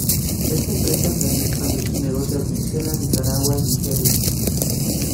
Esta empresa planea expandir su negocio a Venezuela, Nicaragua y Nigeria.